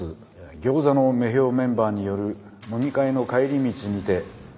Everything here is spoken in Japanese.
餃子の女豹メンバーによる飲み会の帰り道にて。